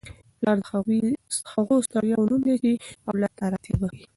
پلار د هغو ستړیاوو نوم دی چي اولاد ته ارامتیا بخښي.